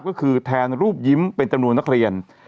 ก็คือแทนรูปยิ้มเป็นจำนวนนักเรียน